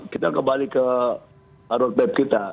kita kembali ke roadmap kita